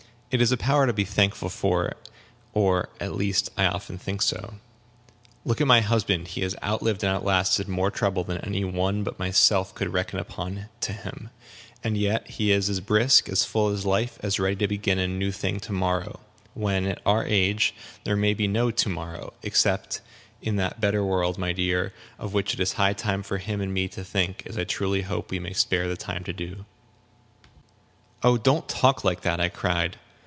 It is a power to be thankful for, or, at least, I often think so. Look at my husband! He has outlived and outlasted more trouble than any one but myself could reckon up to him; and yet he is as brisk, as full of life, as ready to begin a new thing to morrow when, at our age, there may be no to morrow, except in that better world, my dear, of which it is high time for him and me to think, as I truly hope we may spare the time to do." "Oh, don't talk like that," I cried.